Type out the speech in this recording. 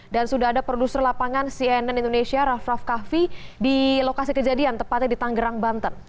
dan sudah ada produser lapangan cnn indonesia raff raff kahvi di lokasi kejadian tepatnya di tanggerang banten